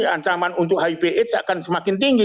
ancaman untuk hiv aids akan semakin tinggi